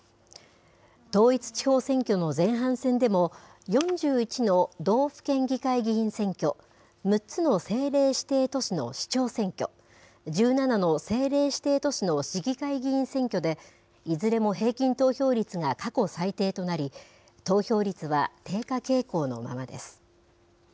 統一地方選挙の前半戦でも、４１の道府県議会議員選挙、６つの政令指定都市の市長選挙、１７の政令指定都市の市議会議員選挙で、いずれも平均投票率が過去最低となり、投票率は低下傾向のままです。